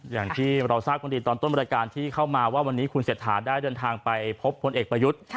อย่างที่เราทราบกันดีตอนต้นรายการที่เข้ามาว่าวันนี้คุณเศรษฐาได้เดินทางไปพบพลเอกประยุทธ์